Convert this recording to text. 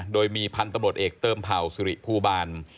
โดยมีพันธุ์ตำรวจเอกเติมเผ่าสิริภูบาล